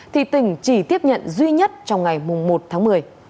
thì tỉnh chỉ tiếp nhận duy nhất trong ngày một tháng một mươi